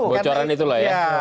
bocoran itu loh ya